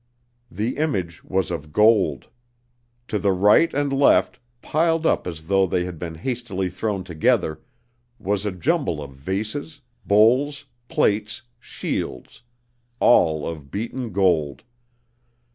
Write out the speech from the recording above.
The image was of gold. To the right and left, piled up as though they had been hastily thrown together, was a jumble of vases, bowls, plates, shields, all of beaten gold.